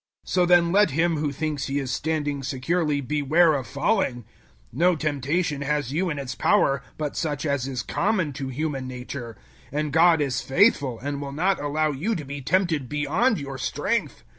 010:012 So then let him who thinks he is standing securely beware of falling. 010:013 No temptation has you in its power but such as is common to human nature; and God is faithful and will not allow you to be tempted beyond your strength.